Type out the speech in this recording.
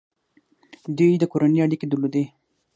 دوی د کورنۍ اړیکې درلودې.